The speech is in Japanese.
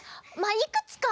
いくつか。